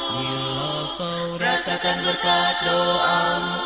bila kau rasakan berkat doamu